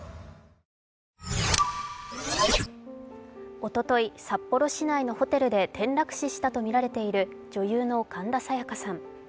おととい、札幌市内のホテルで転落死したと見られている神田沙也加さん。